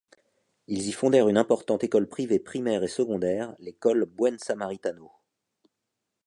Ils y fondèrent une importante école privée primaire et secondaire, l'école Buen Samaritano.